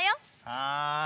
はい。